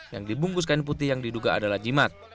yang dibungkus kain putih yang diduga adalah jimat